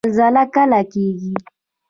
زلزله کله کیږي؟